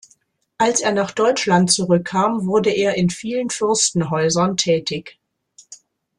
Als er nach Deutschland zurückkam, wurde er in vielen Fürstenhäusern tätig.